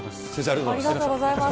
ありがとうございます。